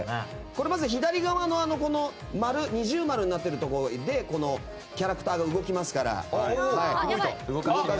まず、左側の◎になっているところでキャラクターが動きますから。